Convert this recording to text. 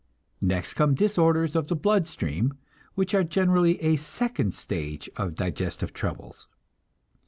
Next come disorders of the blood stream, which are generally a second stage of digestive troubles.